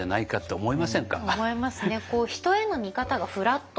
思いますね。